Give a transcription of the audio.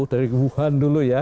dari wuhan dulu ya